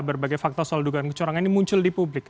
berbagai fakta soal dugaan kecurangan ini muncul di publik